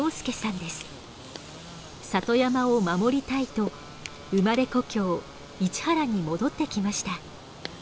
里山を守りたいと生まれ故郷市原に戻ってきました。